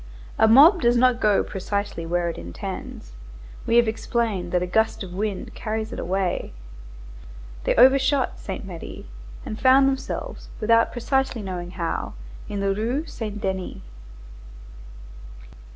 A mob does not go precisely where it intends. We have explained that a gust of wind carries it away. They overshot Saint Merry and found themselves, without precisely knowing how, in the Rue Saint Denis.